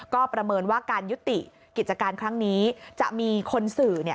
ก็ประเมินว่าการยุติกิจการครั้งนี้จะมีคนสื่อ